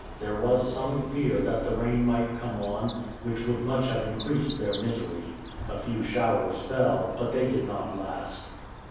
There was some fear that the rain might come on, which would much have increased their misery. A few showers fell, but they did not last.